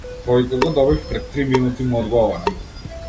Повикот го добив пред три минути му одговарам.